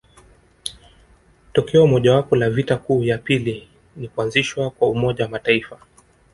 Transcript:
Tokeo mojawapo la vita kuu ya pili ni kuanzishwa kwa Umoja wa mataifa